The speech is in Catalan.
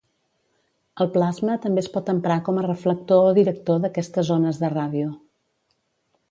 El plasma també es pot emprar com a reflector o director d'aquestes ones de ràdio.